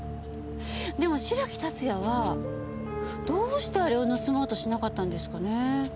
でも白木竜也はどうしてあれを盗もうとしなかったんですかね。